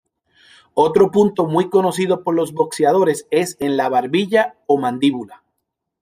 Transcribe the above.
Otro punto muy conocido por los boxeadores es en la barbilla o mandíbula.